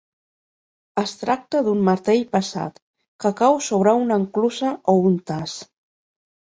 Es tracta d'un martell pesat, que cau sobre una enclusa o un tas.